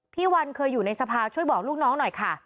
พี่วันเคยอยู่ในสภาช่วยบอกลูกน้องหน่อยค่ะ